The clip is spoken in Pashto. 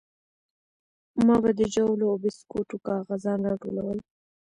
ما به د ژاولو او بيسکوټو کاغذان راټولول.